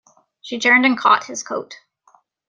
She turned and caught his coat.